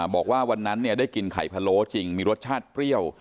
บอกว่าวันนั้นได้กินไข่พะโล้จริงมีรสชาติเปรี้ยว